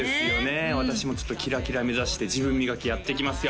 私もちょっとキラキラ目指して自分磨きやっていきますよ